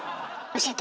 教えて！